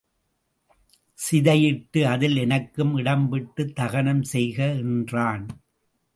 சிதையிட்டு அதில் எனக்கும் இடம் விட்டுத் தகனம் செய்க என்றான்.